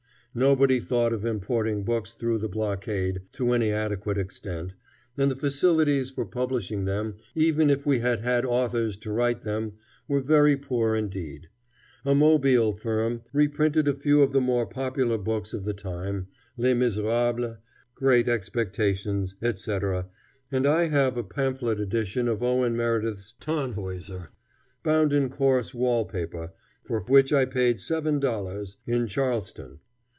Nobody thought of importing books through the blockade, to any adequate extent, and the facilities for publishing them, even if we had had authors to write them, were very poor indeed. A Mobile firm reprinted a few of the more popular books of the time, Les Misérables, Great Expectations, etc, and I have a pamphlet edition of Owen Meredith's Tannhäuser, bound in coarse wall paper, for which I paid seven dollars, in Charleston.